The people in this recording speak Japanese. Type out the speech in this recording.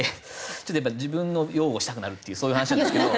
ちょっとやっぱ自分の擁護したくなるっていうそういう話なんですけど。